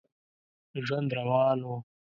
ژوند روان و.